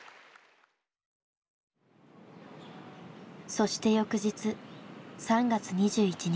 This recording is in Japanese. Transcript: そして翌日３月２１日。